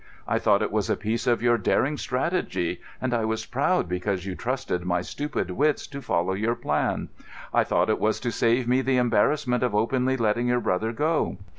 I thought it was a piece of your daring strategy, and I was proud because you trusted my stupid wits to follow your plan. I thought it was to save me the embarrassment of openly letting your brother go.